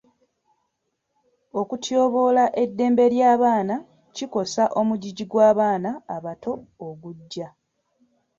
Okutyoboola eddembe ly'abaana kikosa omugigi gw'abaana abato ogujja.